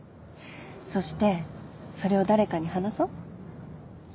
そしてそれを誰かに話そう